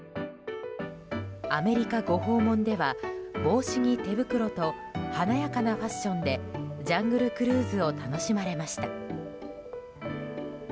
アメリカご訪問では帽子に手袋と華やかなファッションでジャングルクルーズを楽しまれました。